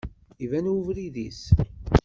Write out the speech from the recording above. Iban ubrid-is.